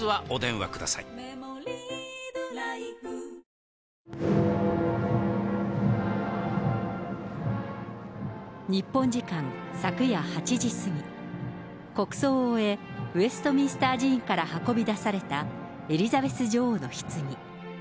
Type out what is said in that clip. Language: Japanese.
この違和感が、まだ、日本時間昨夜８時過ぎ、国葬を終え、ウェストミンスター寺院から運び出されたエリザベス女王のひつぎ。